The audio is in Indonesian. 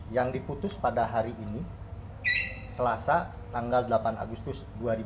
yang diputus pada hari ini selasa tanggal delapan agustus dua ribu dua puluh